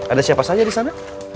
ada siapa saja disana